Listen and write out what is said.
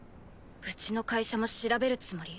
うちの会社も調べるつもり？